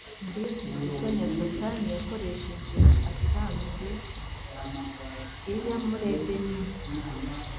Mbega uburiganya Satani yakoresheje asanze Eya muri Edeni!